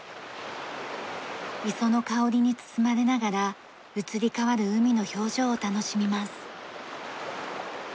磯の香りに包まれながら移り変わる海の表情を楽しみます。